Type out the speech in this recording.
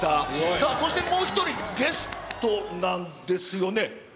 さあ、そしてもう１人、ゲストなんですよね？